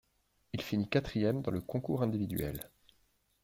Il finit quatrième dans le concours individuel.